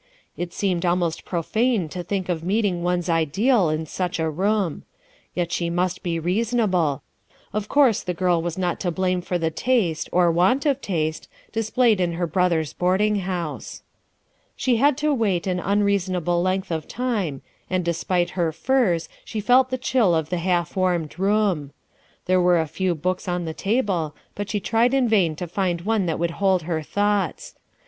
It seemed almost profane to think of meeting one's ideal in such a room. Yet she must be reasonable ; of course the girl was not to blame for the taste, or want of taste, displayed in her brother's boarding house. She had to wait au unreasonable length of time, and despite her furs she felt the chili of the half warmed room. There were a few books on the table, but she tried in vain to find one that would hold her thoughts.